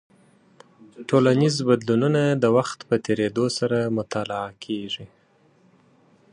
ټولنیز بدلونونه د وخت په تېرېدو سره مطالعه کیږي.